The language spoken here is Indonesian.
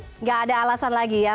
tidak ada alasan lagi ya